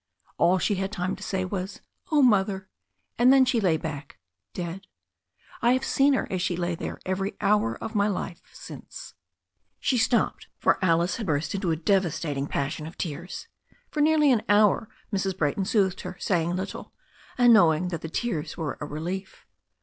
All she had time to say was, *0h. Mother,' and then she lay back dead. I have seen her as she lay there every hour of my life since " She stopped, for Alice had burst into a devastating pas sion of tears. For nearly an hour Mrs. Brayton soothed her, saying lit tle, and knowing that the tears were a relief.